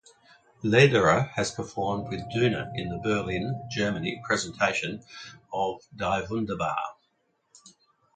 Lederer had performed with Duna in the Berlin, Germany presentation of "Die Wunderbar".